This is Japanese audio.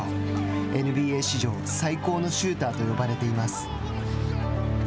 ＮＢＡ史上最高のシューターと呼ばれています。